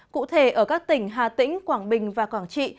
cụ thể ở các tỉnh hà tĩnh quảng bình và quảng trị